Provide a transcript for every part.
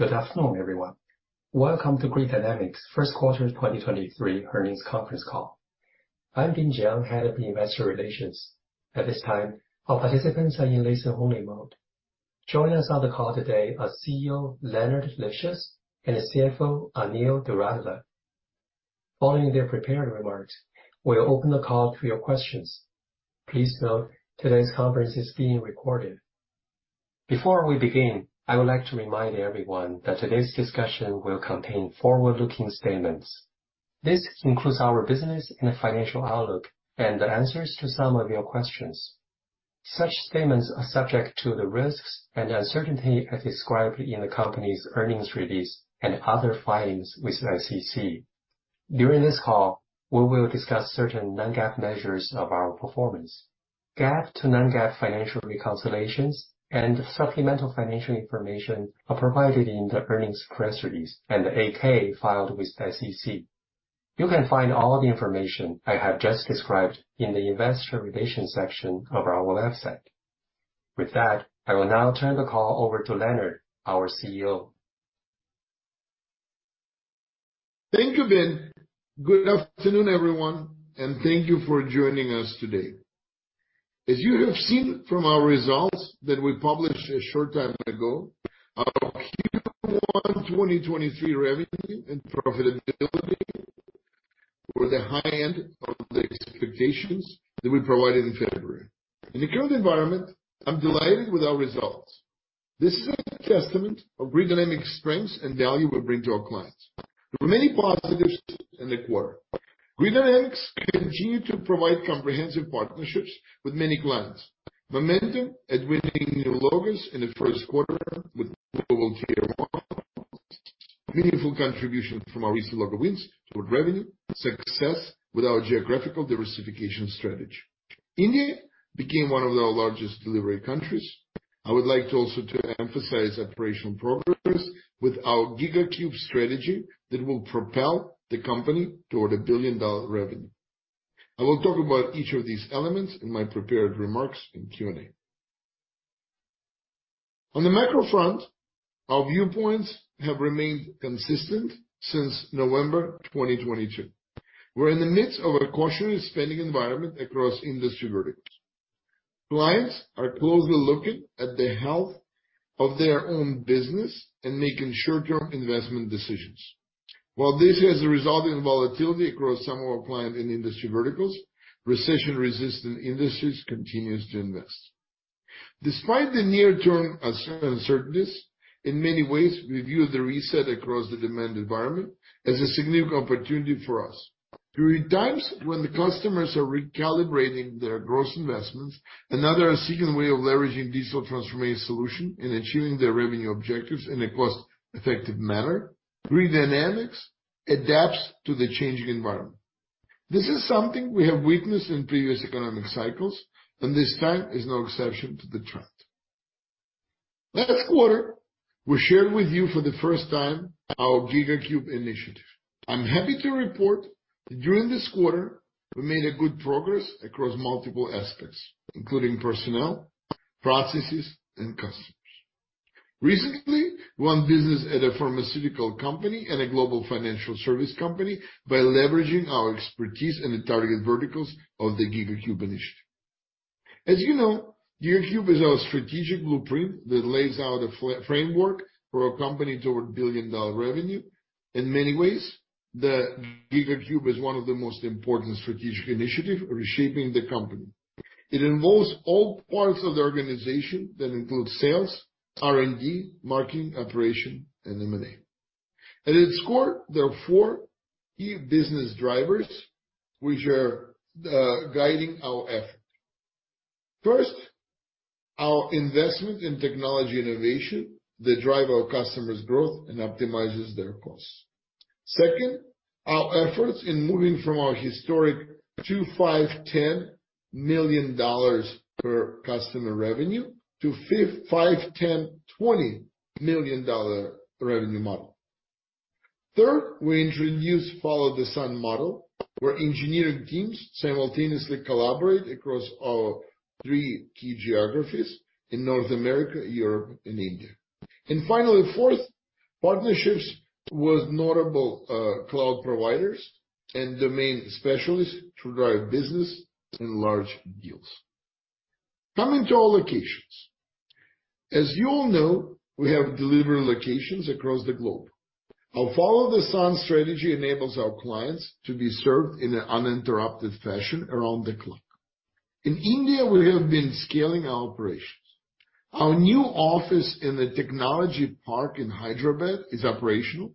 Good afternoon, everyone. Welcome to Grid Dynamics' first quarter 2023 earnings conference call. I'm Bin Jiang, Head of Investor Relations. At this time, our participants are in listen-only mode. Joining us on the call today are CEO, Leonard Livschitz, and CFO, Anil Doradla. Following their prepared remarks, we'll open the call to your questions. Please note today's conference is being recorded. Before we begin, I would like to remind everyone that today's discussion will contain forward-looking statements. This includes our business and financial outlook, and the answers to some of your questions. Such statements are subject to the risks and uncertainty as described in the company's earnings release and other filings with SEC. During this call, we will discuss certain Non-GAAP measures of our performance. GAAP to Non-GAAP financial reconciliations and supplemental financial information are provided in the earnings press release and the 8-K filed with SEC. You can find all the information I have just described in the investor relations section of our website. With that, I will now turn the call over to Leonard, our CEO. Thank you, Bin. Good afternoon, everyone, and thank you for joining us today. As you have seen from our results that we published a short time ago, our Q1 2023 revenue and profitability were the high end of the expectations that we provided in February. In the current environment, I'm delighted with our results. This is a testament of Grid Dynamics' strengths and value we bring to our clients. There were many positives in the quarter. Grid Dynamics continue to provide comprehensive partnerships with many clients. Momentum at winning new logos in the first quarter with global tier one, meaningful contribution from our recent logo wins toward revenue, success with our geographical diversification strategy. India became one of our largest delivery countries. I would like to also to emphasize operational progress with our GigaCube strategy that will propel the company toward a billion-dollar revenue. I will talk about each of these elements in my prepared remarks in Q&A. On the macro front, our viewpoints have remained consistent since November 2022. We're in the midst of a cautious spending environment across industry verticals. Clients are closely looking at the health of their own business and making short-term investment decisions. While this has resulted in volatility across some of our client and industry verticals, recession-resistant industries continues to invest. Despite the near-term uncertainties, in many ways, we view the reset across the demand environment as a significant opportunity for us. During times when the customers are recalibrating their growth investments, another seeking way of leveraging digital transformation solution in achieving their revenue objectives in a cost-effective manner, Grid Dynamics adapts to the changing environment. This is something we have witnessed in previous economic cycles, and this time is no exception to the trend. Last quarter, we shared with you for the first time our GigaCube initiative. I'm happy to report that during this quarter, we made a good progress across multiple aspects, including personnel, processes, and customers. Recently, won business at a pharmaceutical company and a global financial service company by leveraging our expertise in the target verticals of the GigaCube initiative. As you know, GigaCube is our strategic blueprint that lays out a framework for our company toward billion-dollar revenue. In many ways, the GigaCube is one of the most important strategic initiative reshaping the company. It involves all parts of the organization that include sales, R&D, marketing, operation, and M&A. At its core, there are four key business drivers which are guiding our effort. First, our investment in technology innovation that drive our customers' growth and optimizes their costs. Second, our efforts in moving from our historic $2 million, $5 million, $10 million per customer revenue to $5 million, $10 million, $20 million revenue model. Third, we introduce follow the sun model, where engineering teams simultaneously collaborate across our three key geographies in North America, Europe, and India. Finally, 4th, partnerships with notable cloud providers and domain specialists to drive business and large deals. Coming to our locations. As you all know, we have delivery locations across the globe. Our follow the sun strategy enables our clients to be served in an uninterrupted fashion around the clock. In India, we have been scaling our operations. Our new office in the technology park in Hyderabad is operational,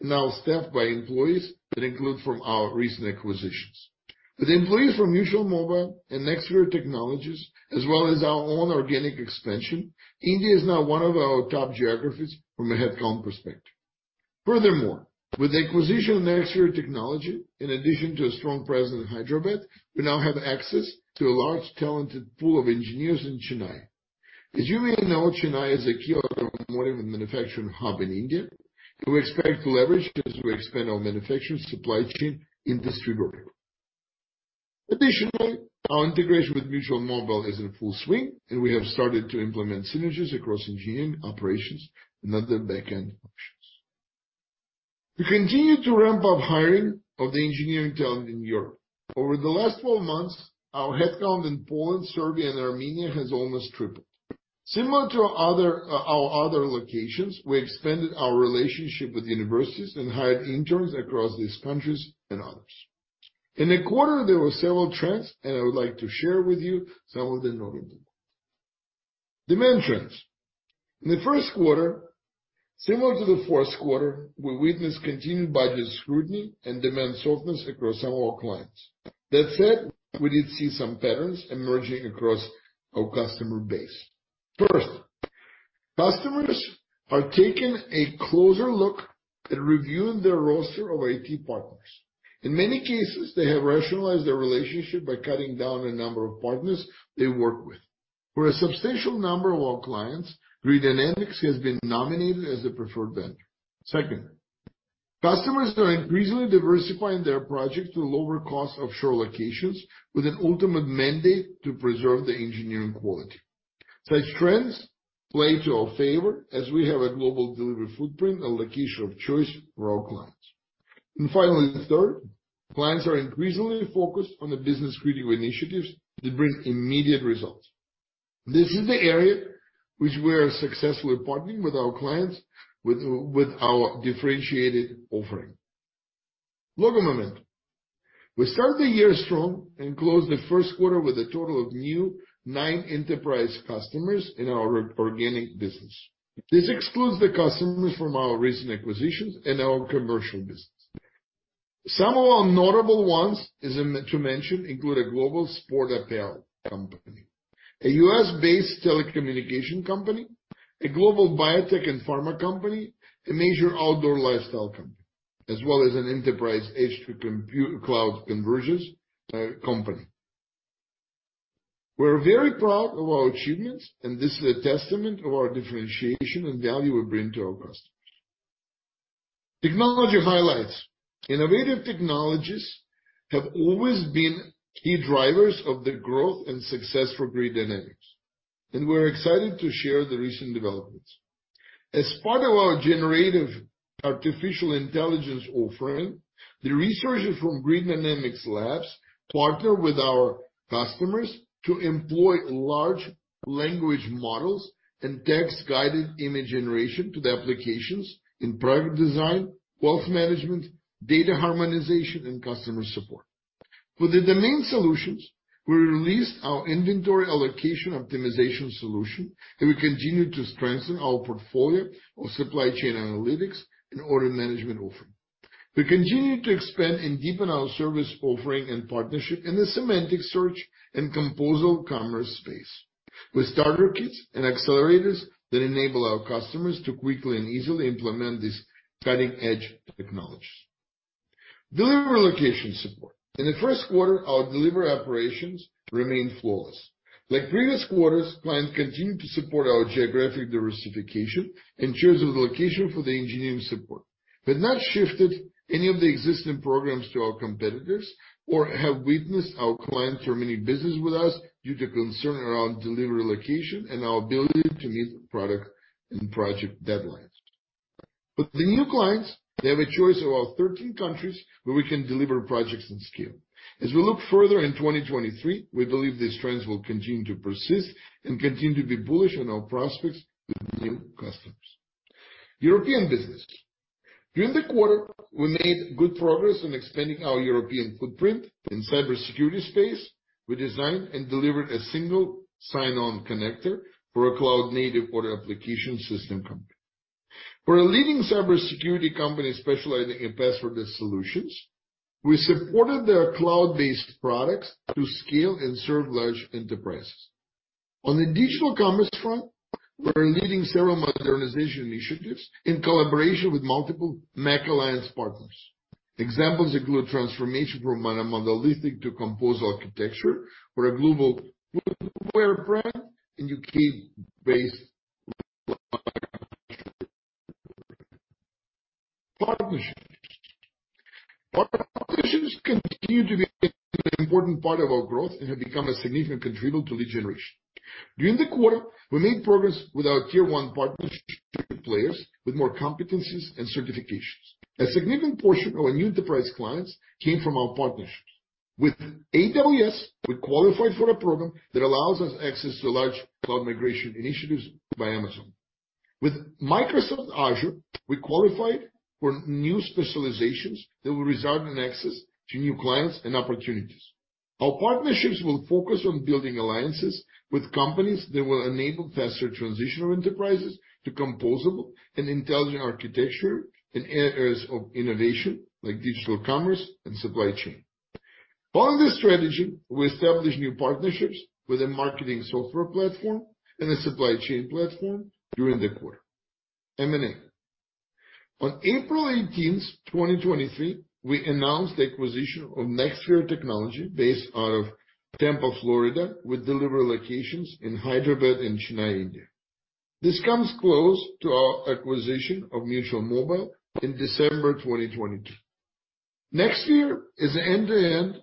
now staffed by employees that include from our recent acquisitions. With employees from Mutual Mobile and Nexware Technologies, as well as our own organic expansion, India is now one of our top geographies from a headcount perspective. Furthermore, with the acquisition of Nexware Technologies, in addition to a strong presence in Hyderabad, we now have access to a large talented pool of engineers in Chennai. As you may know, Chennai is a key automotive and manufacturing hub in India, and we expect to leverage as we expand our manufacturing supply chain industry vertical. Additionally, our integration with Mutual Mobile is in full swing, and we have started to implement synergies across engineering operations and other backend functions. We continue to ramp up hiring of the engineering talent in Europe. Over the last 12 months, our headcount in Poland, Serbia, and Armenia has almost tripled. Similar to other, our other locations, we expanded our relationship with universities and hired interns across these countries and others. In the quarter, there were several trends. I would like to share with you some of the notable ones. Demand trends. In the first quarter, similar to the fourth quarter, we witnessed continued budget scrutiny and demand softness across some of our clients. That said, we did see some patterns emerging across our customer base. First, customers are taking a closer look at reviewing their roster of IT partners. In many cases, they have rationalized their relationship by cutting down a number of partners they work with. For a substantial number of our clients, Grid Dynamics has been nominated as a preferred vendor. Second, customers are increasingly diversifying their projects to lower costs of shore locations with an ultimate mandate to preserve the engineering quality. Such trends play to our favor as we have a global delivery footprint, a location of choice for our clients. Finally, third, clients are increasingly focused on the business-critical initiatives that bring immediate results. This is the area which we are successfully partnering with our clients with our differentiated offering. Logo momentum. We start the year strong and close the first quarter with a total of new nine enterprise customers in our organic business. This excludes the customers from our recent acquisitions and our commercial business. Some of our notable ones to mention include a global sport apparel company, a U.S.-based telecommunication company, a global biotech and pharma company, a major outdoor lifestyle company, as well as an enterprise edge-to-cloud convergence company. We're very proud of our achievements, and this is a testament of our differentiation and value we bring to our customers. Technology highlights. Innovative technologies have always been key drivers of the growth and success for Grid Dynamics, and we're excited to share the recent developments. As part of our generative artificial intelligence offering, the researchers from Grid Dynamics Labs partner with our customers to employ large language models and text-guided image generation to the applications in product design, wealth management, data harmonization, and customer support. For the domain solutions, we released our inventory allocation optimization solution, and we continue to strengthen our portfolio of supply chain analytics and order management offering. We continue to expand and deepen our service offering and partnership in the semantic search and composable commerce space. With starter kits and accelerators that enable our customers to quickly and easily implement these cutting-edge technologies. Delivery location support. In the first quarter, our delivery operations remained flawless. Like previous quarters, clients continue to support our geographic diversification and choose the location for the engineering support. They've not shifted any of the existing programs to our competitors or have witnessed our clients terminating business with us due to concern around delivery location and our ability to meet the product and project deadlines. The new clients, they have a choice of our 13 countries where we can deliver projects and scale. As we look further in 2023, we believe these trends will continue to persist and continue to be bullish on our prospects with new customers. European business. During the quarter, we made good progress in expanding our European footprint in cybersecurity space. We designed and delivered a single sign-on connector for a cloud-native order application system company. For a leading cybersecurity company specializing in passwordless solutions, we supported their cloud-based products to scale and serve large enterprises. On the digital commerce front, we're leading several modernization initiatives in collaboration with multiple MACH Alliance partners. Examples include transformation from monolithic to compose architecture for a global footwear brand and U.K.-based life insurance partner. Partnerships continue to be an important part of our growth and have become a significant contributor to lead generation. During the quarter, we made progress with our tier one partnership players with more competencies and certifications. A significant portion of our new enterprise clients came from our partnerships. With AWS, we qualified for a program that allows us access to large cloud migration initiatives by Amazon. With Microsoft Azure, we qualified for new specializations that will result in access to new clients and opportunities. Our partnerships will focus on building alliances with companies that will enable faster transition of enterprises to composable and intelligent architecture in areas of innovation like digital commerce and supply chain. Following this strategy, we established new partnerships with a marketing software platform and a supply chain platform during the quarter. M&A. On April 18th, 2023, we announced the acquisition of NextSphere Technology based out of Tampa, Florida, with delivery locations in Hyderabad and Chennai, India. This comes close to our acquisition of Mutual Mobile in December 2022. NextSphere is an end-to-end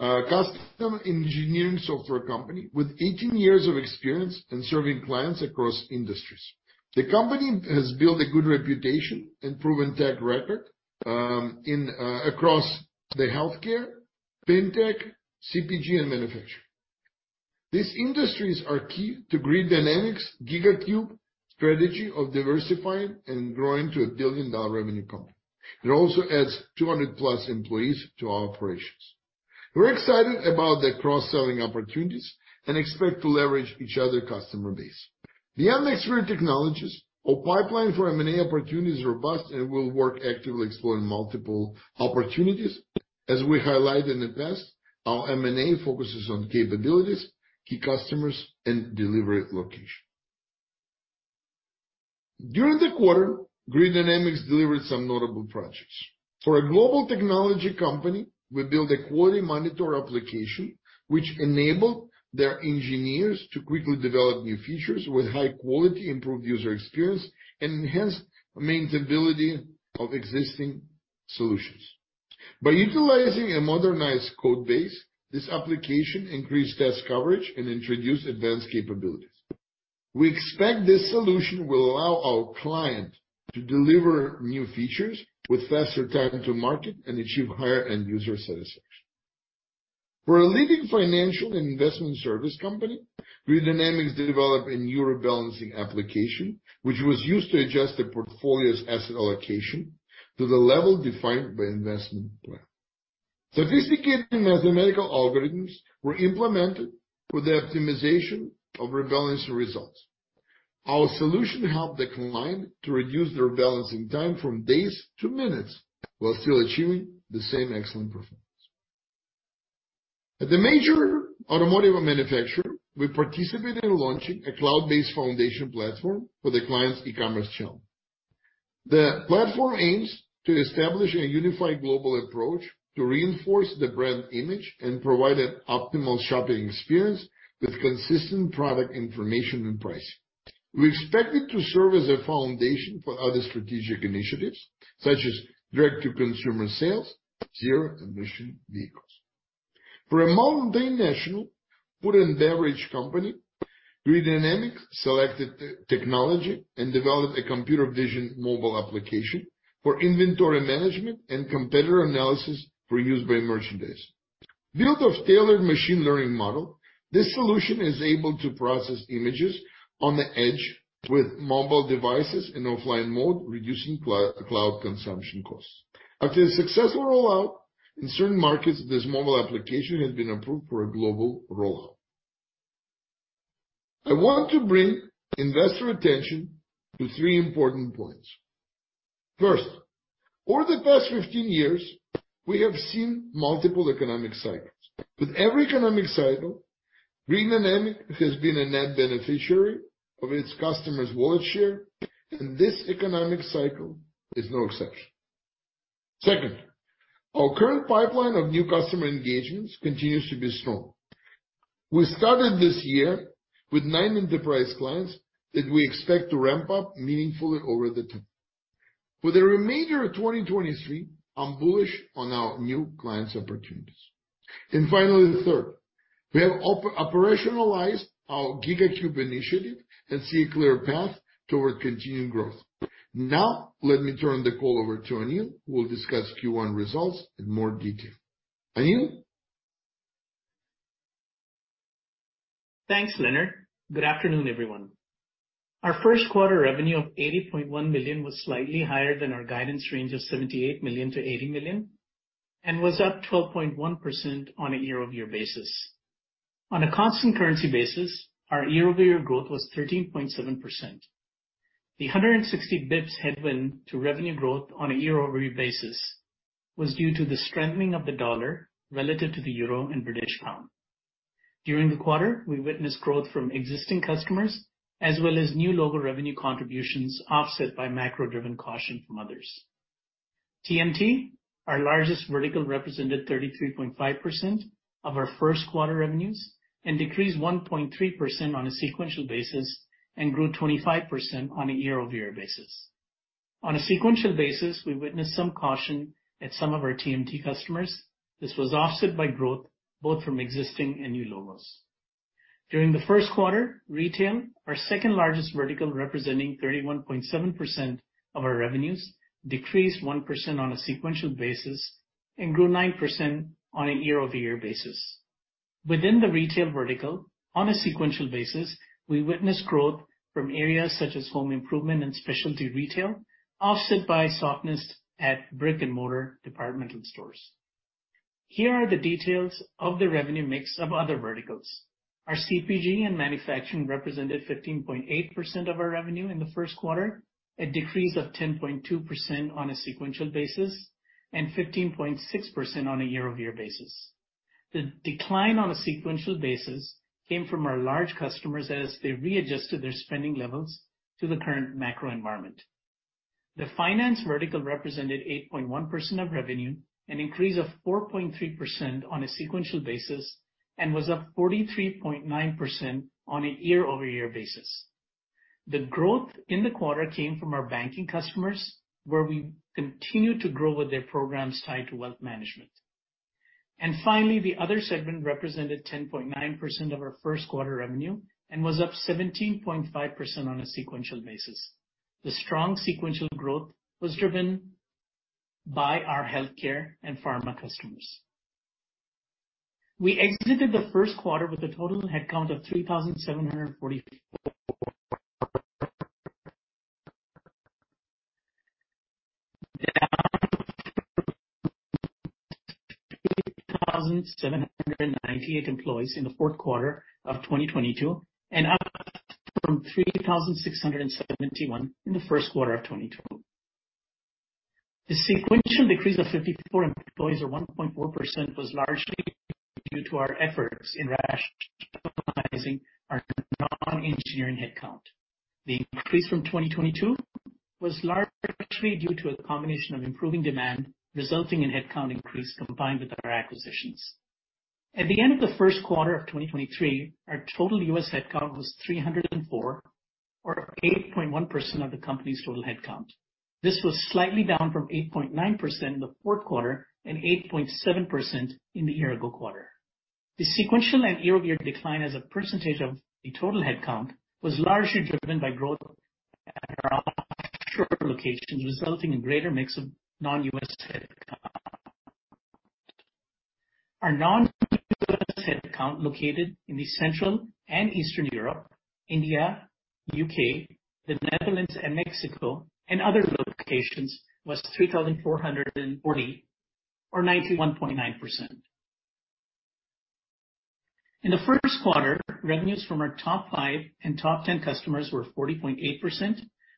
custom engineering software company with 18 years of experience in serving clients across industries. The company has built a good reputation and proven tech record in across the healthcare, FinTech, CPG and manufacturing. These industries are key to Grid Dynamics' GigaCube strategy of diversifying and growing to a billion-dollar revenue company. It also adds 200+ employees to our operations. We're excited about the cross-selling opportunities and expect to leverage each other customer base. The MX3 technologies or pipeline for M&A opportunity is robust and will work actively exploring multiple opportunities. As we highlighted in the past, our M&A focuses on capabilities, key customers and delivery location. During the quarter, Grid Dynamics delivered some notable projects. For a global technology company, we built a quality monitor application which enabled their engineers to quickly develop new features with high quality, improved user experience, and enhanced maintainability of existing solutions. By utilizing a modernized code base, this application increased test coverage and introduced advanced capabilities. We expect this solution will allow our client to deliver new features with faster time to market and achieve higher end user satisfaction. For a leading financial investment service company, Grid Dynamics developed a new rebalancing application, which was used to adjust the portfolio's asset allocation to the level defined by investment plan. Sophisticated mathematical algorithms were implemented for the optimization of rebalancing results. Our solution helped the client to reduce the rebalancing time from days to minutes, while still achieving the same excellent performance. At a major automotive manufacturer, we participated in launching a cloud-based foundation platform for the client's e-commerce channel. The platform aims to establish a unified global approach to reinforce the brand image and provide an optimal shopping experience with consistent product information and pricing. We expect it to serve as a foundation for other strategic initiatives, such as direct-to-consumer sales, zero-emission vehicles. For a multi-national food and beverage company, Grid Dynamics selected technology and developed a computer vision mobile application for inventory management and competitor analysis for use by merchandise. Built of tailored machine learning model, this solution is able to process images on the edge with mobile devices in offline mode, reducing cloud consumption costs. After a successful rollout in certain markets, this mobile application has been approved for a global rollout. I want to bring investor attention to three important points. First, over the past 15 years, we have seen multiple economic cycles. With every economic cycle, Grid Dynamics has been a net beneficiary of its customers' wallet share, and this economic cycle is no exception. Second, our current pipeline of new customer engagements continues to be strong. We started this year with nine enterprise clients that we expect to ramp up meaningfully over the time. For the remainder of 2023, I'm bullish on our new clients opportunities. Finally, the third. We have operationalized our GigaCube initiative and see a clear path toward continued growth. Let me turn the call over to Anil, who will discuss Q1 results in more detail. Anil? Thanks, Leonard. Good afternoon, everyone. Our first quarter revenue of $80.1 million was slightly higher than our guidance range of $78 million-$80 million, and was up 12.1% on a year-over-year basis. On a constant currency basis, our year-over-year growth was 13.7%. The 160 BPS headwind to revenue growth on a year-over-year basis was due to the strengthening of the dollar relative to the euro and British pound. During the quarter, we witnessed growth from existing customers as well as new logo revenue contributions offset by macro-driven caution from others. TMT, our largest vertical, represented 33.5% of our first quarter revenues and decreased 1.3% on a sequential basis and grew 25% on a year-over-year basis. On a sequential basis, we witnessed some caution at some of our TMT customers. This was offset by growth both from existing and new logos. During the first quarter, retail, our second-largest vertical representing 31.7% of our revenues, decreased 1% on a sequential basis and grew 9% on a year-over-year basis. Within the retail vertical, on a sequential basis, we witnessed growth from areas such as home improvement and specialty retail, offset by softness at brick-and-mortar departmental stores. Here are the details of the revenue mix of other verticals. Our CPG and manufacturing represented 15.8% of our revenue in the first quarter, a decrease of 10.2% on a sequential basis and 15.6% on a year-over-year basis. The decline on a sequential basis came from our large customers as they readjusted their spending levels to the current macro environment. The finance vertical represented 8.1% of revenue, an increase of 4.3% on a sequential basis, and was up 43.9% on a year-over-year basis. The growth in the quarter came from our banking customers, where we continued to grow with their programs tied to wealth management. The other segment represented 10.9% of our first quarter revenue and was up 17.5% on a sequential basis. The strong sequential growth was driven by our healthcare and pharma customers. We exited the first quarter with a total headcount of 3,744 employees in the fourth quarter of 2022 and up from 3,671 in the first quarter of 2020. The sequential decrease of 54 employees or 1.4% was largely due to our efforts in rationalizing our non-engineering headcount. The increase from 2022 was largely due to a combination of improving demand resulting in headcount increase combined with our acquisitions. At the end of the first quarter of 2023, our total U.S. headcount was 304 or 8.1% of the company's total headcount. This was slightly down from 8.9% in the fourth quarter and 8.7% in the year-ago quarter. The sequential and year-over-year decline as a percentage of the total headcount was largely driven by growth at our offshore locations, resulting in greater mix of non-U.S. headcount. Our non-U.S. headcount, located in the Central and Eastern Europe, India, U.K., the Netherlands and Mexico and other locations, was 3,440 or 91.9%. In the first quarter, revenues from our top five and top 10 customers were 40.8%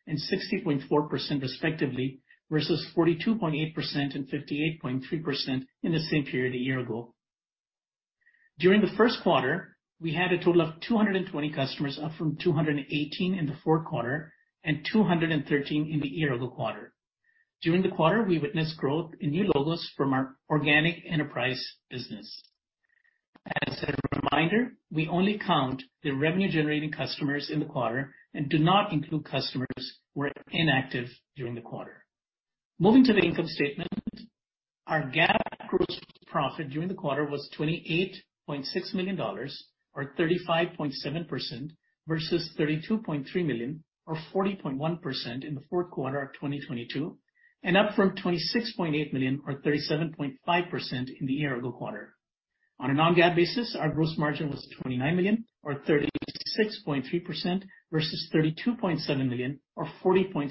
and 60.4% respectively versus 42.8% and 58.3% in the same period a year ago. During the first quarter, we had a total of 220 customers, up from 218 in the fourth quarter and 213 in the year-ago quarter. During the quarter, we witnessed growth in new logos from our organic enterprise business. As a reminder, we only count the revenue generating customers in the quarter and do not include customers who are inactive during the quarter. Moving to the income statement. Our GAAP gross profit during the quarter was $28.6 million, or 35.7% versus $32.3 million or 40.1% in the fourth quarter of 2022, and up from $26.8 million or 37.5% in the year-ago quarter. On a Non-GAAP basis, our gross margin was $29 million or 36.3% versus $32.7 million or 40.6%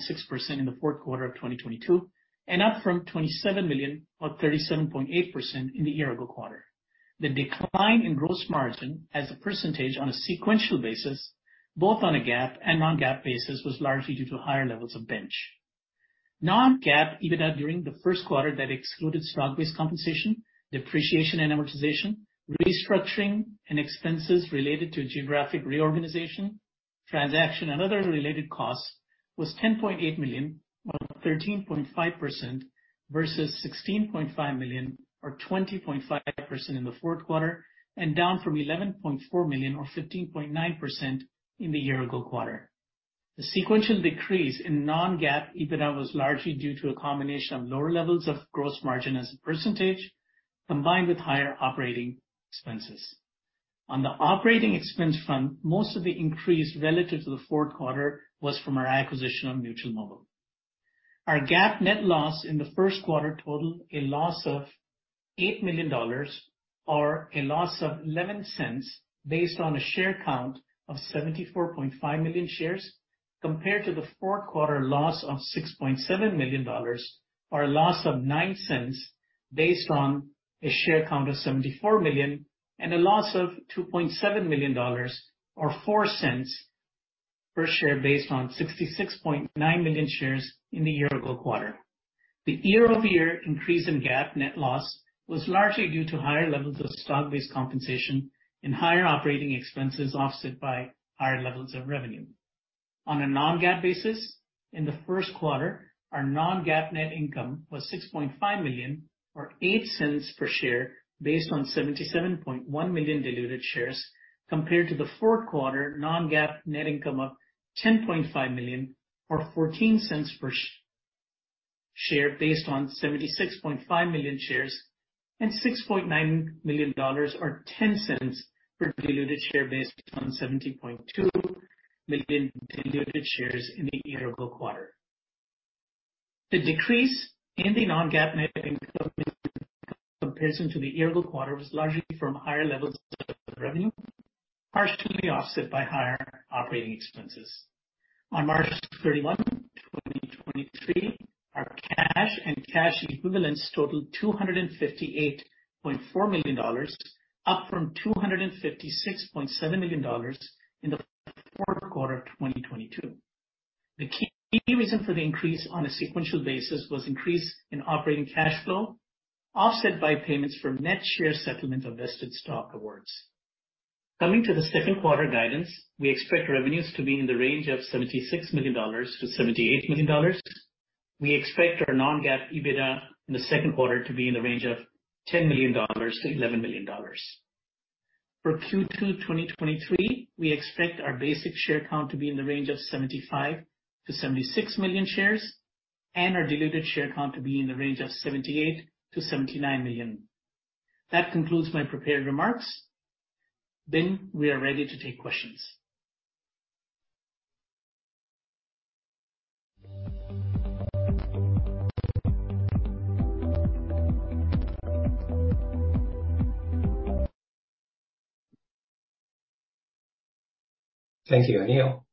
in the fourth quarter of 2022 and up from $27 million or 37.8% in the year-ago quarter. The decline in gross margin as a percentage on a sequential basis, both on a GAAP and Non-GAAP basis, was largely due to higher levels of bench. Non-GAAP EBITDA during the first quarter that excluded stock-based compensation, depreciation and amortization, restructuring and expenses related to geographic reorganization, transaction and other related costs was $10.8 million, or 13.5% versus $16.5 million or 20.5% in the fourth quarter and down from $11.4 million or 15.9% in the year-ago quarter. The sequential decrease in Non-GAAP EBITDA was largely due to a combination of lower levels of gross margin as a percentage combined with higher operating expenses. On the operating expense front, most of the increase relative to the fourth quarter was from our acquisition of Mutual Mobile. Our GAAP net loss in the first quarter totaled a loss of $8 million or a loss of $0.11 based on a share count of 74.5 million shares, compared to the fourth quarter loss of $6.7 million or a loss of $0.09 based on a share count of 74 million and a loss of $2.7 million or $0.04 per share based on 66.9 million shares in the year-ago quarter. The year-over-year increase in GAAP net loss was largely due to higher levels of stock-based compensation and higher operating expenses, offset by higher levels of revenue. On a Non-GAAP basis, in the first quarter, our Non-GAAP net income was $6.5 million or $0.08 per share based on 77.1 million diluted shares, compared to the fourth quarter Non-GAAP net income of $10.5 million or $0.14 per share based on 76.5 million shares and $6.9 million or $0.10 per diluted share based on 70.2 million diluted shares in the year-ago quarter. The decrease in the Non-GAAP net income in comparison to the year-ago quarter was largely from higher levels of revenue, partially offset by higher operating expenses. On March 31, 2023, our cash and cash equivalents totaled $258.4 million, up from $256.7 million in the fourth quarter of 2022. The key reason for the increase on a sequential basis was increase in operating cash flow, offset by payments for net share settlement of vested stock awards. Coming to the second quarter guidance, we expect revenues to be in the range of $76 million-$78 million. We expect our Non-GAAP EBITDA in the second quarter to be in the range of $10 million-$11 million. For Q2 2023, we expect our basic share count to be in the range of 75 million-76 million shares, and our diluted share count to be in the range of 78 million-79 million. That concludes my prepared remarks. We are ready to take questions. Thank you, Anil.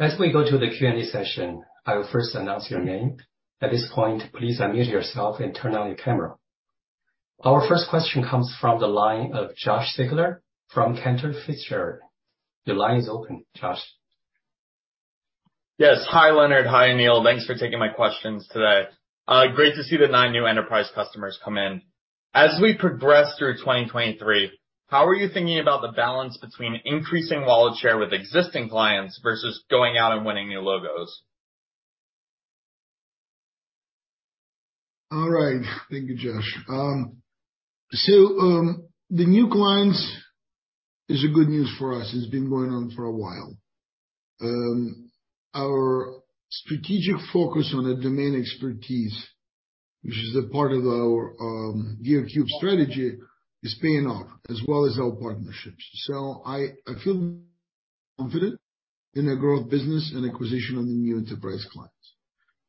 As we go to the Q&A session, I will first announce your name. At this point, please unmute yourself and turn on your camera. Our first question comes from the line of Josh Siegler from Cantor Fitzgerald. Your line is open, Josh. Yes. Hi, Leonard. Hi, Anil. Thanks for taking my questions today. Great to see the nine new enterprise customers come in. As we progress through 2023, how are you thinking about the balance between increasing wallet share with existing clients versus going out and winning new logos? All right. Thank you, Josh. The new clients is a good news for us. It's been going on for a while. Our strategic focus on the domain expertise, which is a part of our GigaCube strategy, is paying off as well as our partnerships. I feel confident in the growth business and acquisition of the new enterprise clients.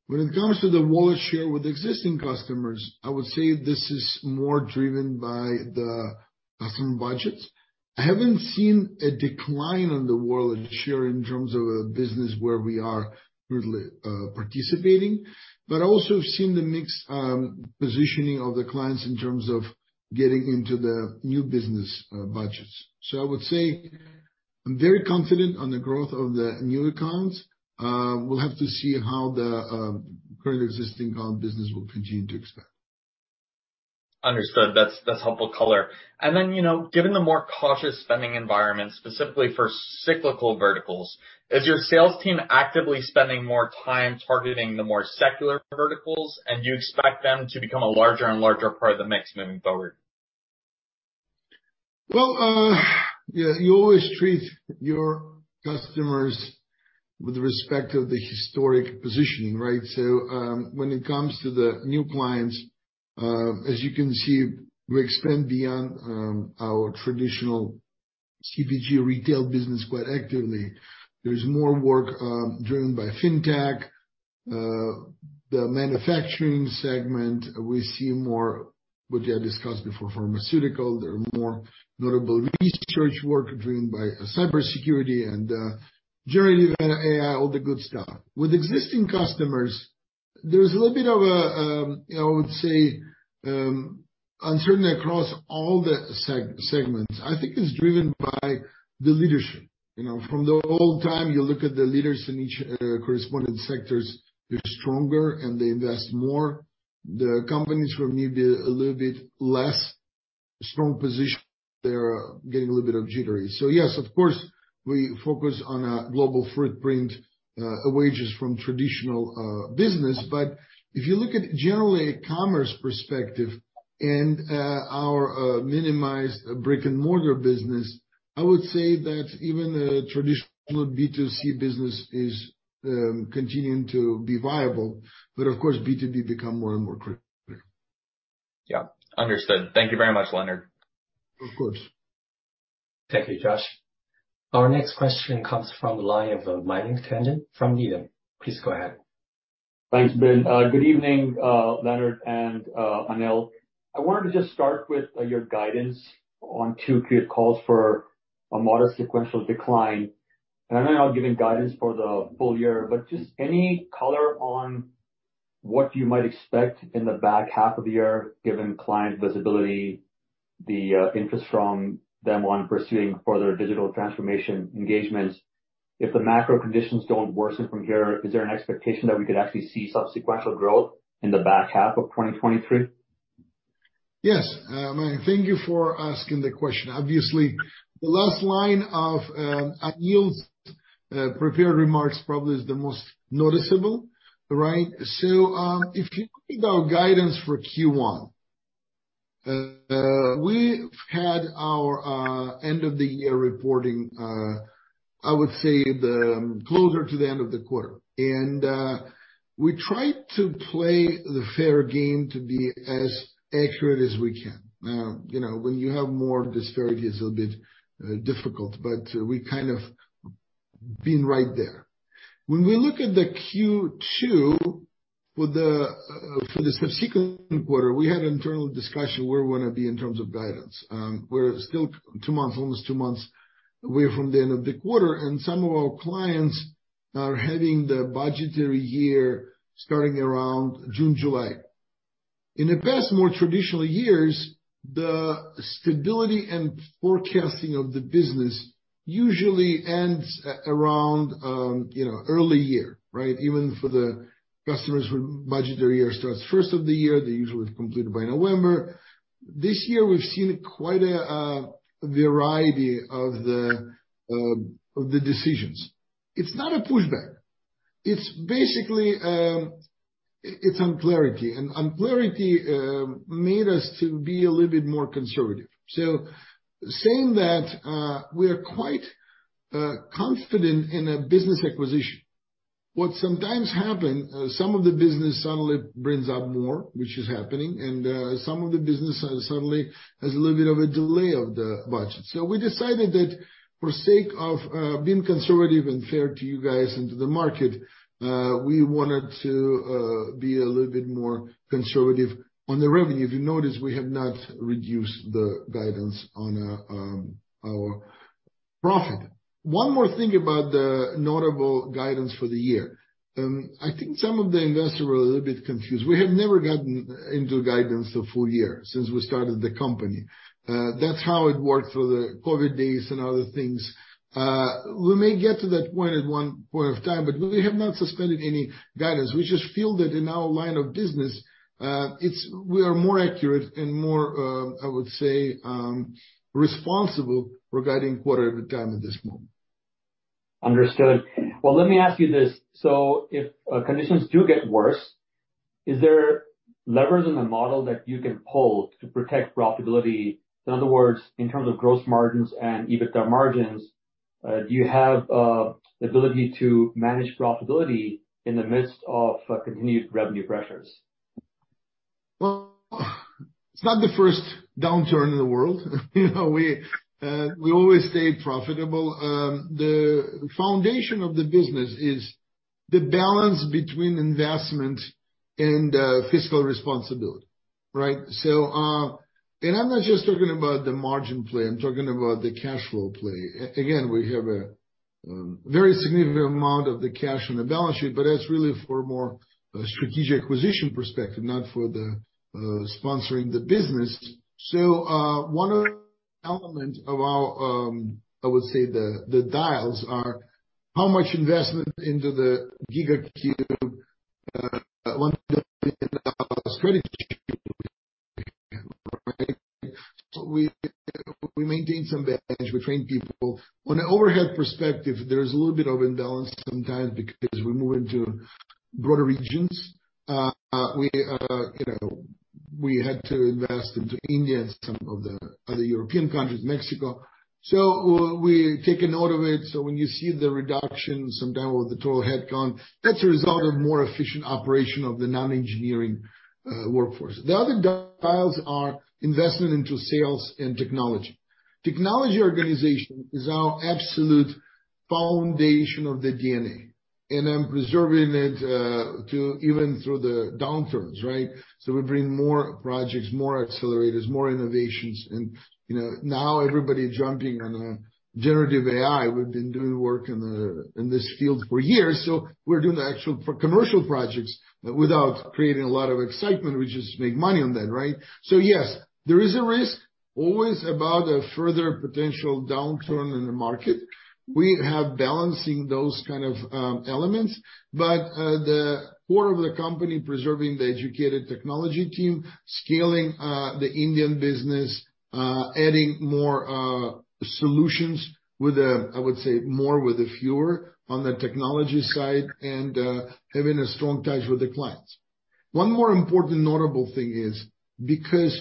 When it comes to the wallet share with existing customers, I would say this is more driven by the customer budgets. I haven't seen a decline on the wallet share in terms of a business where we are really participating, but also seen the mix positioning of the clients in terms of getting into the new business budgets. I would say I'm very confident on the growth of the new accounts. We'll have to see how the current existing account business will continue to expand. Understood. That's helpful color. You know, given the more cautious spending environment, specifically for cyclical verticals, is your sales team actively spending more time targeting the more secular verticals? Do you expect them to become a larger and larger part of the mix moving forward? Yeah, you always treat your customers with respect of the historic positioning, right? When it comes to the new clients, as you can see, we expand beyond our traditional CPG retail business quite actively. There's more work driven by FinTech. The manufacturing segment, we see more what I discussed before, pharmaceutical. There are more notable research work driven by cybersecurity and generative AI, all the good stuff. With existing customers, there is a little bit of a, I would say, uncertainty across all the segments. I think it's driven by the leadership. You know, from the old time, you look at the leaders in each corresponding sectors, they're stronger and they invest more. The companies who are maybe a little bit less strong position, they're getting a little bit of jittery. Yes, of course, we focus on a global footprint, away just from traditional business. If you look at generally commerce perspective and our minimized brick-and-mortar business, I would say that even a traditional B2C business is continuing to be viable. Of course, B2B become more and more critical. Yeah, understood. Thank you very much, Leonard. Of course. Thank you, Josh. Our next question comes from the line of Mayank Tandon from Needham. Please go ahead. Thanks, Bin. good evening, Leonard and Anil. I wanted to just start with your guidance on two previous calls for a modest sequential decline. I know you're not giving guidance for the full year, but just any color on what you might expect in the back half of the year, given client visibility, the interest from them on pursuing further digital transformation engagements. If the macro conditions don't worsen from here, is there an expectation that we could actually see some sequential growth in the back half of 2023? Yes. Mayank, thank you for asking the question. Obviously, the last line of Anil's prepared remarks probably is the most noticeable, right? If you look at our guidance for Q1, we've had our end of the year reporting, I would say the closer to the end of the quarter. We tried to play the fair game to be as accurate as we can. You know, when you have more disparity, it's a little bit difficult, but we kind of been right there. When we look at the Q2 for the subsequent quarter, we had an internal discussion where we want to be in terms of guidance. We're still 2 months, almost 2 months away from the end of the quarter, and some of our clients are having their budgetary year starting around June, July. In the past, more traditional years, the stability and forecasting of the business usually ends around, you know, early year, right? Even for the customers who budget their year starts first of the year, they usually have completed by November. This year we've seen quite a variety of the decisions. It's not a pushback. It's basically, it's unclarity. Unclarity made us to be a little bit more conservative. Saying that, we are quite confident in a business acquisition. What sometimes happen, some of the business suddenly brings up more, which is happening, and some of the business suddenly has a little bit of a delay of the budget. We decided that for sake of being conservative and fair to you guys and to the market, we wanted to be a little bit more conservative on the revenue. If you notice, we have not reduced the guidance on our profit. One more thing about the notable guidance for the year. I think some of the investors were a little bit confused. We have never gotten into guidance the full year since we started the company. That's how it worked through the COVID days and other things. We may get to that point at one point of time, but we have not suspended any guidance. We just feel that in our line of business, we are more accurate and more, I would say, responsible regarding quarter at a time at this moment. Understood. Well, let me ask you this. If conditions do get worse, is there levers in the model that you can pull to protect profitability? In other words, in terms of gross margins and EBITDA margins, do you have the ability to manage profitability in the midst of continued revenue pressures? Well, it's not the first downturn in the world. You know, we always stayed profitable. The foundation of the business is the balance between investment and fiscal responsibility, right? I'm not just talking about the margin play, I'm talking about the cash flow play. Again, we have a very significant amount of the cash on the balance sheet, but that's really for a more strategic acquisition perspective, not for the sponsoring the business. One element of our, I would say, the dials are how much investment into the GigaCube, one right? We maintain some bench, we train people. On an overhead perspective, there is a little bit of imbalance sometimes because we move into broader regions. You know, we had to invest into India and some of the other European countries, Mexico. We take a note of it, when you see the reduction sometimes with the total head count, that's a result of more efficient operation of the non-engineering workforce. The other dials are investment into sales and technology. Technology organization is our absolute foundation of the DNA, and I'm preserving it even through the downturns, right? We bring more projects, more accelerators, more innovations, and, you know, now everybody jumping on generative AI. We've been doing work in this field for years, so we're doing the actual for commercial projects without creating a lot of excitement. We just make money on that, right? Yes, there is a risk always about a further potential downturn in the market. We have balancing those kind of elements, but the core of the company preserving the educated technology team, scaling the Indian business, adding more solutions with a, I would say, more with the fewer on the technology side and having a strong touch with the clients. One more important notable thing is because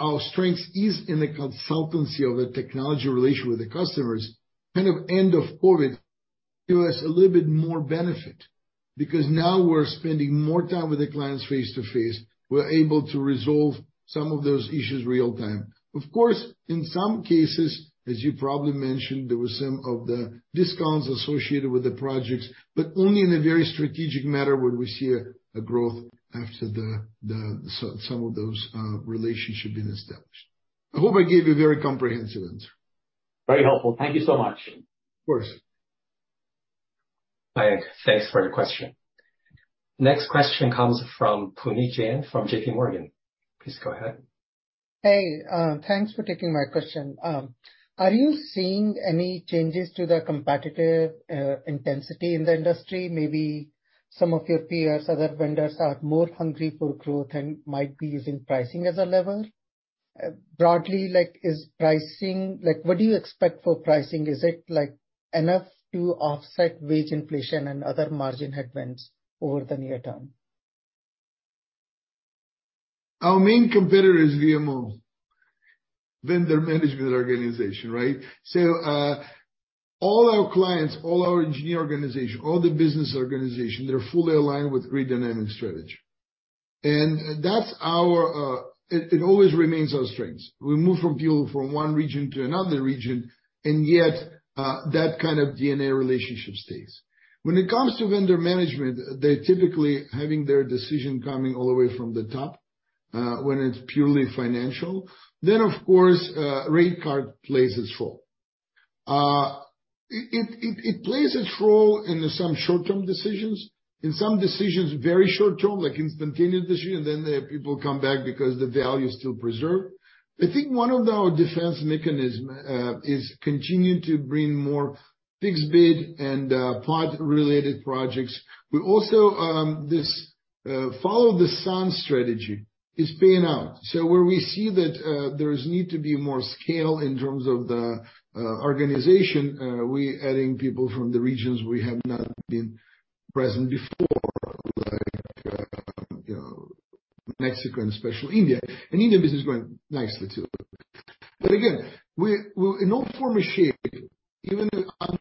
our strength is in the consultancy of the technology relation with the customers, kind of end of COVID give us a little bit more benefit because now we're spending more time with the clients face-to-face. We're able to resolve some of those issues real time. Of course, in some cases, as you probably mentioned, there were some of the discounts associated with the projects, but only in a very strategic matter would we see a growth after the some of those relationships been established. I hope I gave you a very comprehensive answer. Very helpful. Thank you so much. Of course. Thanks for the question. Next question comes from Puneet Jain from JPMorgan. Please go ahead. Hey, thanks for taking my question. Are you seeing any changes to the competitive intensity in the industry? Maybe some of your peers, other vendors are more hungry for growth and might be using pricing as a lever. Broadly, like, what do you expect for pricing? Is it, like, enough to offset wage inflation and other margin headwinds over the near term? Our main competitor is VMO, Vendor Management Organization, right? All our clients, all our engineer organization, all the business organization, they're fully aligned with Grid Dynamics strategy. That's our... It always remains our strength. We move from people from one region to another region, and yet, that kind of DNA relationship stays. When it comes to vendor management, they're typically having their decision coming all the way from the top, when it's purely financial. Of course, rate card plays its role. It plays its role in some short-term decisions. In some decisions, very short-term, like instantaneous decisions, and then the people come back because the value is still preserved. I think one of our defense mechanism is continuing to bring more fixed bid and pod-related projects. We also, this follow the sun strategy is paying out. Where we see that there is need to be more scale in terms of the organization, we adding people from the regions we have not been present before, like, you know, Mexico and especially India. India business is going nicely, too. Again, in all form or shape, even under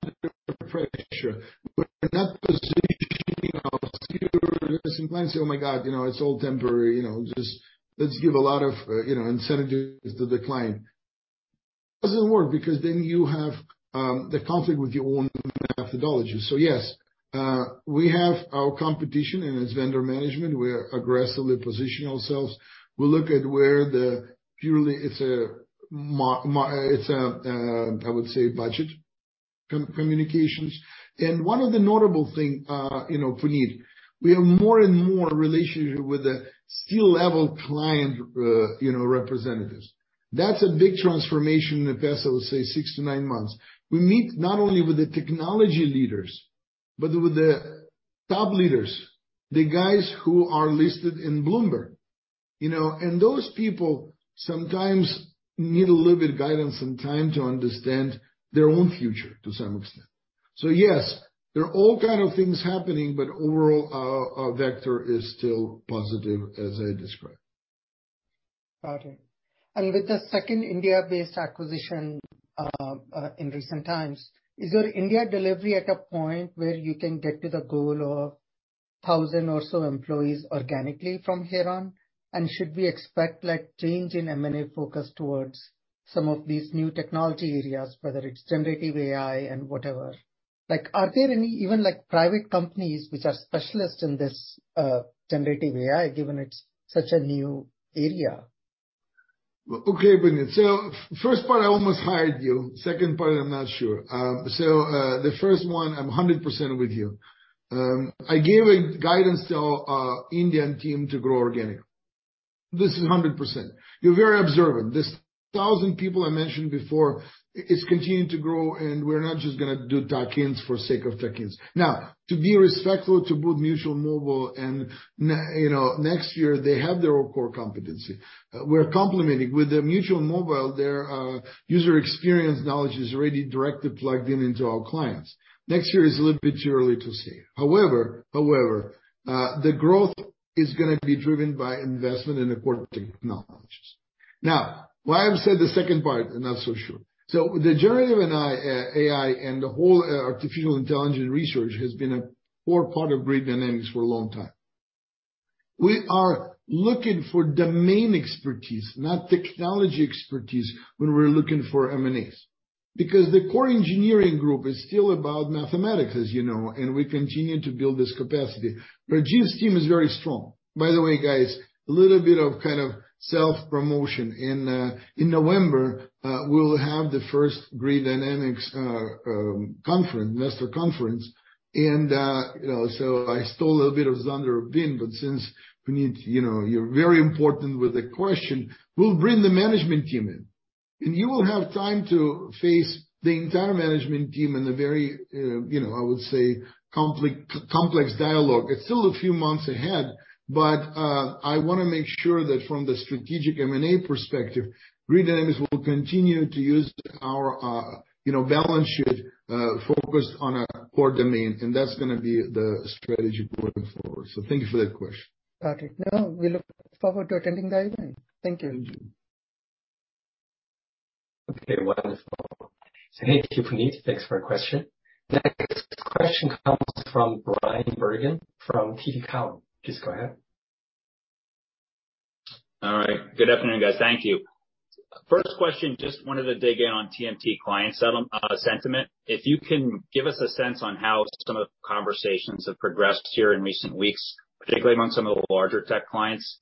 pressure, we're in that position, you know, secure some clients, say, "Oh my God, you know, it's all temporary, you know, just let's give a lot of, you know, incentives to the client." Doesn't work because then you have the conflict with your own methodology. Yes, we have our competition, and it's vendor management. We aggressively position ourselves. We look at where the purely it's a, I would say budget communications. One of the notable thing, you know, Puneet, we have more and more relationship with the C-level client, you know, representatives. That's a big transformation in, let's say, 6 to 9 months. We meet not only with the technology leaders, but with the top leaders, the guys who are listed in Bloomberg, you know. Those people sometimes need a little bit of guidance and time to understand their own future to some extent. Yes, there are all kind of things happening, but overall, our vector is still positive as I described. Got it. With the second India-based acquisition, in recent times, is your India delivery at a point where you can get to the goal of 1,000 or so employees organically from here on? Should we expect, like, change in M&A focus towards some of these new technology areas, whether it's generative AI and whatever? Are there any, even, like, private companies which are specialists in this generative AI, given it's such a new area? Okay, Puneet. First part I almost hired you, second part I'm not sure. The first one I'm 100% with you. I gave a guidance to our Indian team to grow organic. This is 100%. You're very observant. This 1,000 people I mentioned before, it's continuing to grow, and we're not just gonna do tie-ins for sake of tie-ins. Now, to be respectful to both Mutual Mobile and you know, Next year, they have their own core competency. We're complementing. With the Mutual Mobile, their user experience knowledge is already directly plugged in into our clients. Next year is a little bit too early to see. However, the growth is gonna be driven by investment in the core technologies. Now, why I've said the second part, I'm not so sure. The generative AI, and the whole artificial intelligence research has been a core part of Grid Dynamics for a long time. We are looking for domain expertise, not technology expertise when we're looking for M&As. The core engineering group is still about mathematics, as you know, and we continue to build this capacity. Rajeev's team is very strong. By the way, guys, a little bit of kind of self-promotion. In November, we'll have the first Grid Dynamics conference, master conference. You know, I stole a little bit of Zander Bin, since Puneet, you know, you're very important with the question, we'll bring the management team in. You will have time to face the entire management team in a very, you know, I would say complex dialogue. It's still a few months ahead, but, I wanna make sure that from the strategic M&A perspective, Grid Dynamics will continue to use our, you know, balance sheet, focus on our core domain, and that's gonna be the strategy going forward. Thank you for that question. Got it. We look forward to attending the event. Thank you. Thank you. Okay, wonderful. Thank you, Puneet. Thanks for your question. Next question comes from Bryan Bergin from TD Cowen. Please go ahead. All right. Good afternoon, guys. Thank you. First question, just wanted to dig in on TMT client sentiment. If you can give us a sense on how some of the conversations have progressed here in recent weeks, particularly among some of the larger tech clients.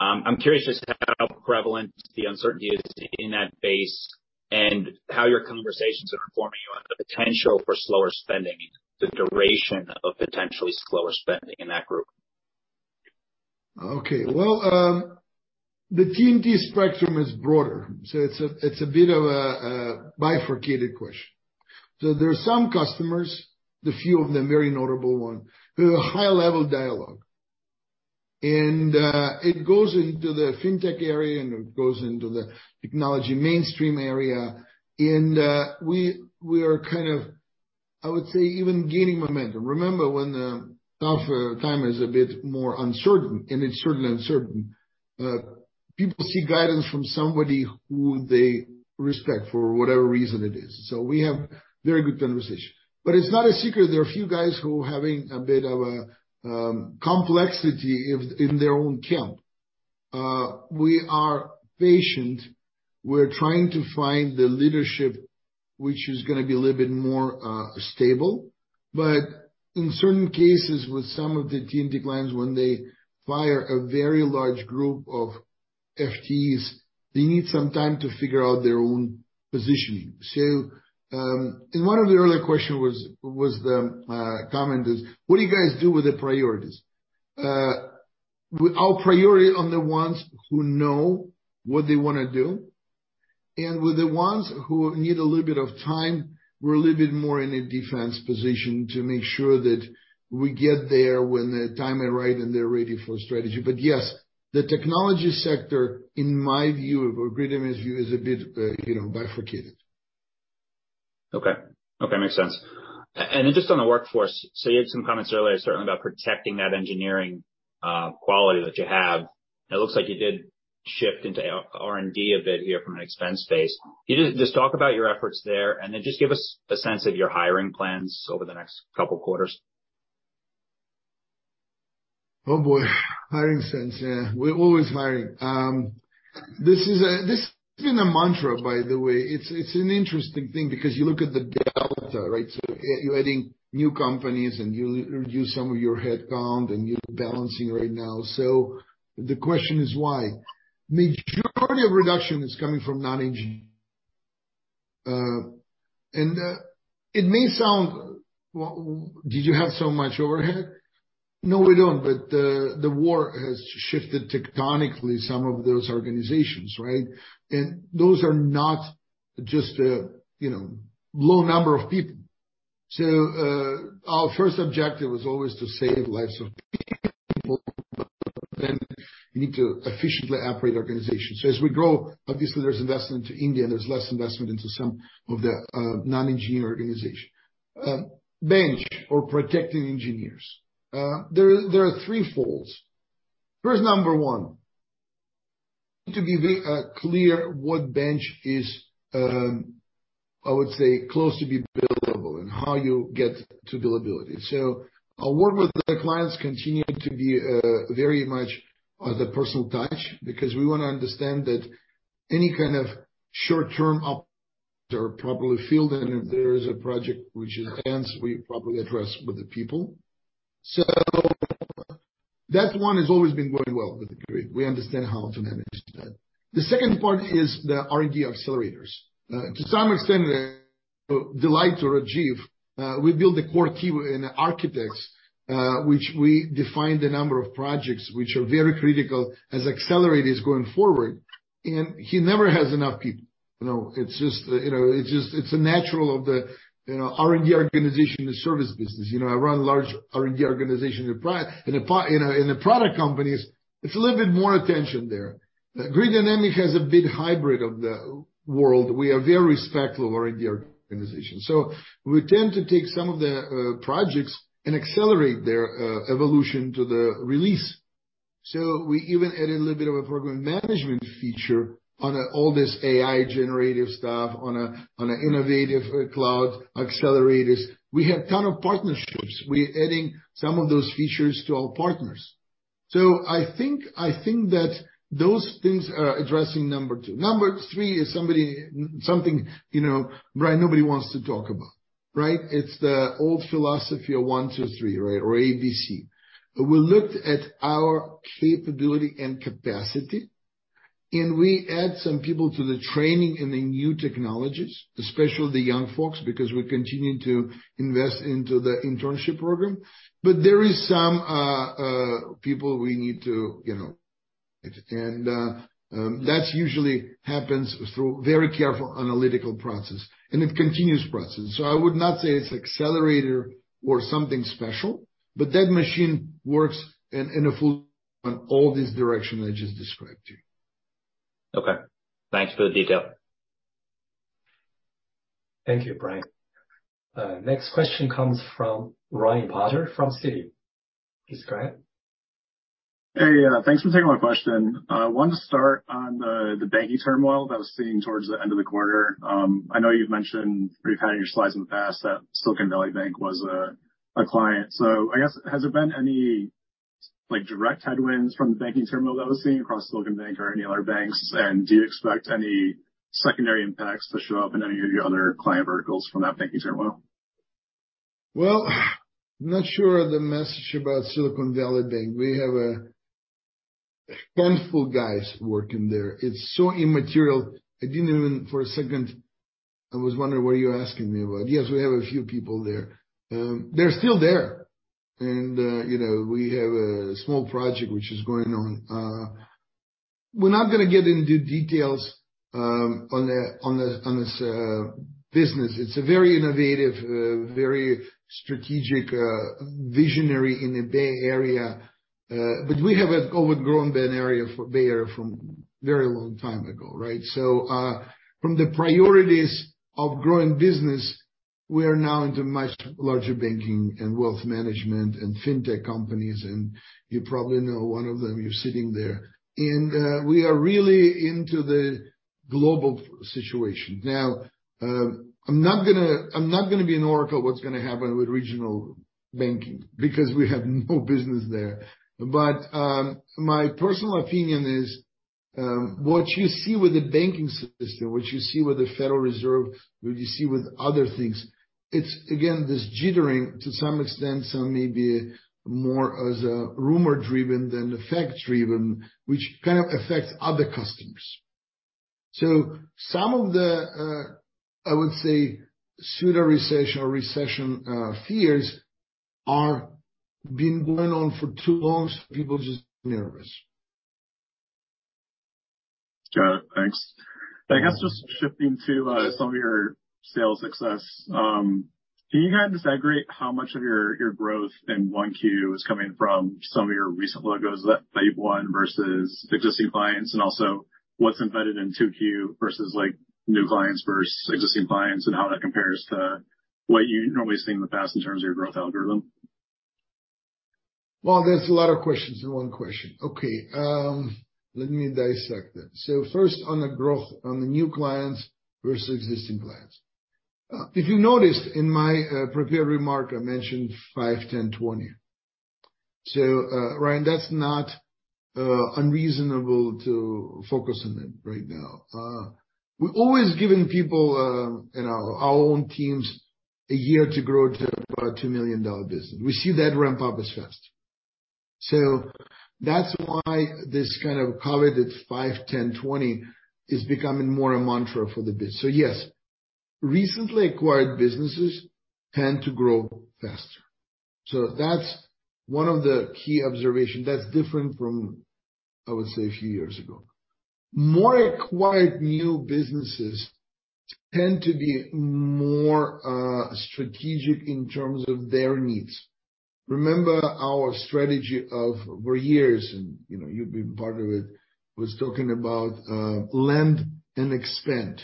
I'm curious just how prevalent the uncertainty is in that base and how your conversations are informing you on the potential for slower spending, the duration of potentially slower spending in that group. Okay. Well, the T&T spectrum is broader, so it's a, it's a bit of a bifurcated question. There are some customers, the few of them, very notable one, who have a high level dialogue. It goes into the FinTech area, and it goes into the technology mainstream area. We are kind of, I would say, even gaining momentum. Remember when the tougher time is a bit more uncertain, and it's certainly uncertain, people seek guidance from somebody who they respect for whatever reason it is. It's not a secret there are a few guys who are having a bit of a complexity of, in their own camp. We are patient. We're trying to find the leadership which is gonna be a little bit more stable. In certain cases, with some of the TMT clients, when they fire a very large group of FTEs, they need some time to figure out their own positioning. And one of the earlier question was, comment is: What do you guys do with the priorities? With our priority on the ones who know what they wanna do, and with the ones who need a little bit of time, we're a little bit more in a defense position to make sure that we get there when the time is right, and they're ready for strategy. Yes, the technology sector, in my view, or Grid View, is a bit, you know, bifurcated. Okay. Okay, makes sense. Just on the workforce, so you had some comments earlier, certainly about protecting that engineering quality that you have. It looks like you did shift into R&D a bit here from an expense base. Can you just talk about your efforts there, and then just give us a sense of your hiring plans over the next couple quarters? Oh, boy. Hiring plans, yeah. We're always hiring. This is a, this has been a mantra, by the way. It's an interesting thing because you look at the delta, right? You're adding new companies and you reduce some of your headcount, and you're balancing right now. The question is why? Majority of reduction is coming from non-engineering. It may sound, Did you have so much overhead? No, we don't. The war has shifted tectonically some of those organizations, right? Those are not just, you know, low number of people. Our first objective was always to save lives of people. You need to efficiently operate organizations. As we grow, obviously there's investment into India, there's less investment into some of the non-engineer organization. Bench or protecting engineers. There are three folds. First number one, to be clear what bench is, I would say, close to be billable and how you get to billability. Our work with the clients continue to be very much of the personal touch, because we wanna understand that any kind of short-term up their properly field, and if there is a project which is advanced, we properly address with the people. That one has always been going well with the Grid. We understand how to manage that. The second part is the R&D accelerators. To some extent, delight to Rajiv. We build a core team in architects, which we define the number of projects which are very critical as accelerators going forward. He never has enough people. It's just, it's a natural of the R&D organization and service business. I run large R&D organization in the product companies, it's a little bit more attention there. Grid Dynamics has a big hybrid of the world. We are very respectful of R&D organization. We tend to take some of the projects and accelerate their evolution to the release. We even added a little bit of a program management feature on all this AI generative stuff on an innovative cloud accelerators. We have ton of partnerships. We adding some of those features to our partners. I think that those things are addressing number 2. Number 3 is something, Bryan Bergin, nobody wants to talk about, right? It's the old philosophy of one, two, three, right? Or A, B, C. We looked at our capability and capacity. We add some people to the training in the new technologies, especially the young folks, because we continue to invest into the internship program. There is some people we need to, you know. That usually happens through very careful analytical process, and it continues process. I would not say it's accelerator or something special, but that machine works in a full on all these direction I just described to you. Okay, thanks for the detail. Thank you, Bryan. Next question comes from Ryan Potter from Citi. Please go ahead. Thanks for taking my question. I wanted to start on the banking turmoil that I was seeing towards the end of the quarter. I know you've mentioned, you've had in your slides in the past that Silicon Valley Bank was a client. I guess, has there been any, like, direct headwinds from the banking turmoil that was seen across Silicon Bank or any other banks? Do you expect any secondary impacts to show up in any of your other client verticals from that banking turmoil? Well, I'm not sure the message about Silicon Valley Bank. We have a handful guys working there. It's so immaterial, I didn't even for a second I was wondering what you're asking me about. Yes, we have a few people there. They're still there. you know, we have a small project which is going on. we're not gonna get into details on the, on the, on this business. It's a very innovative, very strategic, visionary in the Bay Area. but we have outgrown Bay Area from very long time ago, right? from the priorities of growing business, we are now into much larger banking and wealth management and FinTech companies, and you probably know one of them, you're sitting there. we are really into the global situation. Now, I'm not gonna be an oracle what's gonna happen with regional banking because we have no business there. My personal opinion is, what you see with the banking system, what you see with the Federal Reserve, what you see with other things, it's again, this jittering to some extent, some may be more as a rumor-driven than fact-driven, which kind of affects other customers. Some of the, I would say pseudo-recession or recession fears are been going on for too long, so people are just nervous. Got it. Thanks. I guess just shifting to, some of your sales success. Can you guys segregate how much of your growth in 1Q is coming from some of your recent logos that type one versus existing clients? Also what's embedded in 2Q versus like new clients versus existing clients, and how that compares to what you normally see in the past in terms of your growth algorithm? Well, there's a lot of questions in one question. Okay, let me dissect it. First on the growth on the new clients versus existing clients. If you noticed in my prepared remark, I mentioned 5, 10, 20. Ryan, that's not unreasonable to focus on it right now. We're always giving people, you know, our own teams a year to grow to about a $2 million business. We see that ramp up as fast. That's why this kind of COVID, it's 5, 10, 20, is becoming more a mantra for the business. Yes, recently acquired businesses tend to grow faster. That's one of the key observation that's different from, I would say, a few years ago. More acquired new businesses tend to be more strategic in terms of their needs. Remember our strategy of for years, and, you know, you've been part of it, was talking about, land and expand.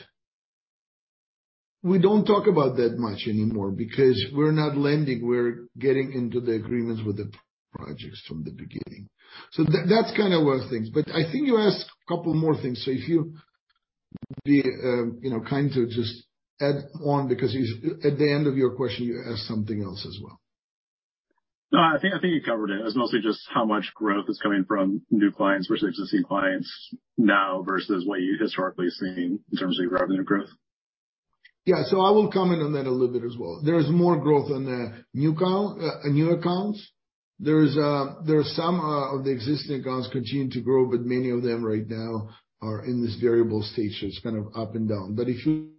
We don't talk about that much anymore because we're not lending. We're getting into the agreements with the projects from the beginning. That's kind of one thing. I think you asked a couple more things. If you be, you know, kind to just add on, because at the end of your question you asked something else as well. No, I think you covered it. It was mostly just how much growth is coming from new clients versus existing clients now versus what you historically seen in terms of revenue growth? Yeah. I will comment on that a little bit as well. There is more growth on the new count, new accounts. There is, there are some, of the existing accounts continue to grow, but many of them right now are in this variable stage, so it's kind of up and down. If you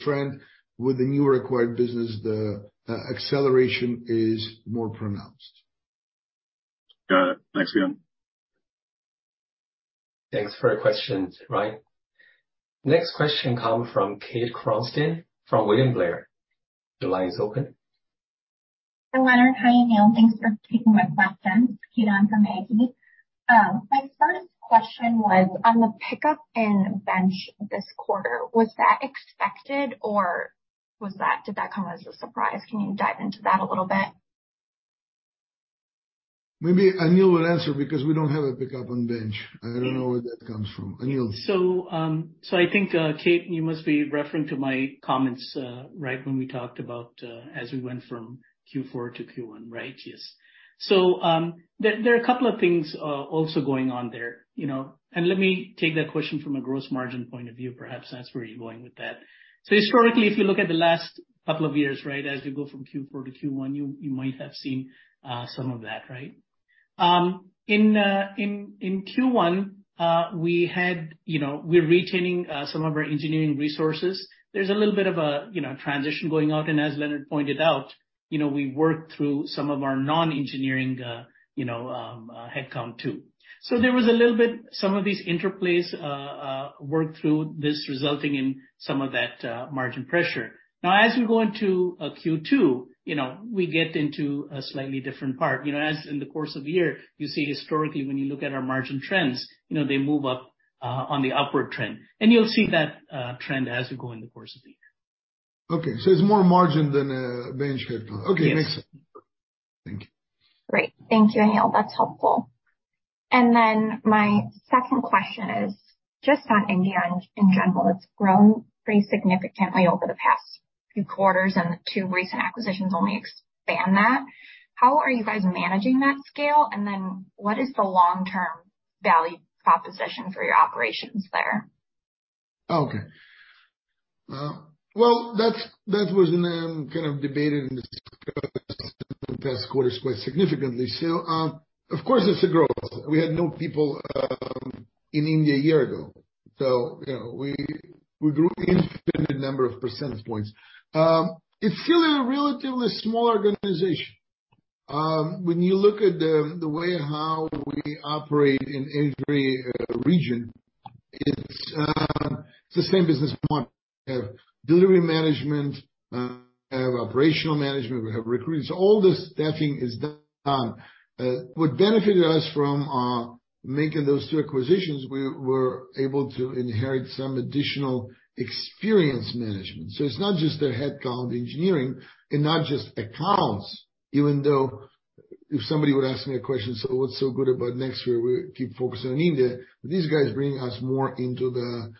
trend with the new acquired business, the acceleration is more pronounced. Got it. Thanks again. Thanks for your questions, Ryan. Next question come from Kate Kronstein from William Blair. The line is open. Hi, Leonard. Hi, Anil. Thanks for taking my questions. Kathleen on for Maggie. My first question was on the pickup and bench this quarter. Was that expected or did that come as a surprise? Can you dive into that a little bit? Maybe Anil will answer because we don't have a pickup on bench. I don't know where that comes from. Anil. I think, Kate, you must be referring to my comments, right when we talked about, as we went from Q4 to Q1, right? Yes. There are a couple of things also going on there, you know. Let me take that question from a gross margin point of view, perhaps that's where you're going with that. Historically, if you look at the last couple of years, right, as we go from Q4 to Q1, you might have seen some of that, right? In Q1, we had, you know, we're retaining some of our engineering resources. There's a little bit of a, you know, transition going out. As Leonard pointed out, you know, we worked through some of our non-engineering, you know, headcount too. There was a little bit some of these interplays, work through this resulting in some of that, margin pressure. As we go into Q2, you know, we get into a slightly different part. You know, as in the course of the year, you see historically, when you look at our margin trends, you know, they move up on the upward trend. You'll see that trend as we go in the course of the year. Okay. It's more margin than bench headcount. Yes. Okay. Makes sense. Thank you. Great. Thank you, Anil. That's helpful. My second question is just on India in general. It's grown pretty significantly over the past few quarters, and the two recent acquisitions only expand that. How are you guys managing that scale? What is the long-term value proposition for your operations there? Okay. Well, that's, that was kind of debated in the past quarters quite significantly. Of course it's a growth. We had no people in India a year ago, so, you know, we grew infinite number of percentage points. It's still a relatively small organization. When you look at the way how we operate in every region, it's the same business model. We have delivery management, we have operational management. We have recruiters. All the staffing is done. What benefited us from making those two acquisitions, we were able to inherit some additional experience management. It's not just the headcount engineering and not just accounts, even though if somebody would ask me a question, "So what's so good about Nextsphere? We keep focusing on India. These guys bring us more into the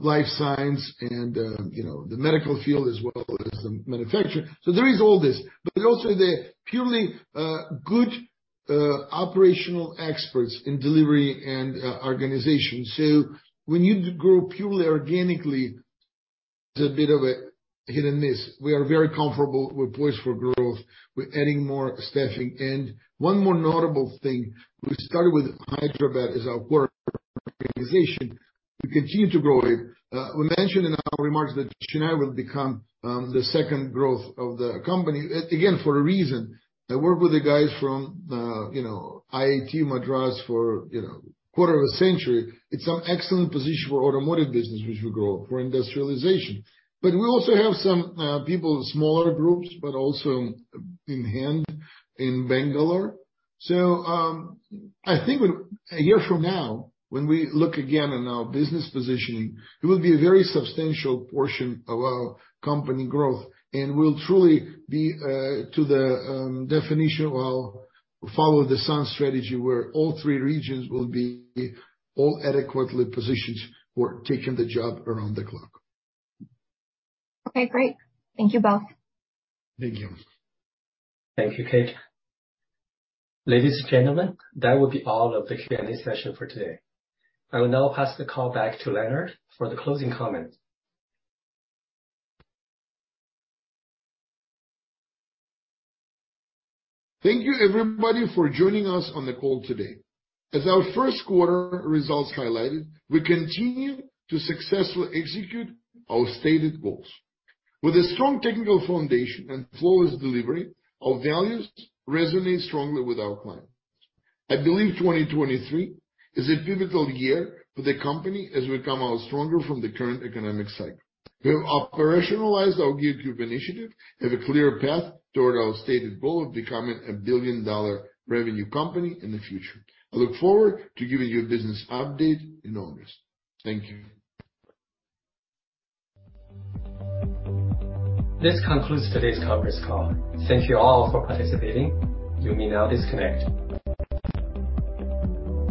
life science and you know, the medical field as well as the manufacturing. There is all this, but also the purely good operational experts in delivery and organization. When you grow purely organically. It's a bit of a hit and miss. We are very comfortable with voice for growth. We're adding more staffing. One more notable thing, we started with Hyderabad as our core organization. We continue to grow it. We mentioned in our remarks that Chennai will become the second growth of the company. Again, for a reason. I worked with the guys from you know, IIT Madras for you know, quarter of a century. It's an excellent position for automotive business, which will grow for industrialization. We also have some people, smaller groups, but also in hand in Bangalore. I think A year from now, when we look again in our business positioning, it will be a very substantial portion of our company growth, and we'll truly be to the definition well, follow the sun strategy, where all three regions will be all adequately positioned for taking the job around the clock. Okay, great. Thank you both. Thank you. Thank you, Kate. Ladies and gentlemen, that would be all of the Q&A session for today. I will now pass the call back to Leonard for the closing comments. Thank you everybody for joining us on the call today. As our first quarter results highlighted, we continue to successfully execute our stated goals. With a strong technical foundation and flawless delivery, our values resonate strongly with our clients. I believe 2023 is a pivotal year for the company as we come out stronger from the current economic cycle. We have operationalized our Giga Growth initiative, have a clear path toward our stated goal of becoming a billion-dollar revenue company in the future. I look forward to giving you a business update in August. Thank you. This concludes today's conference call. Thank you all for participating. You may now disconnect.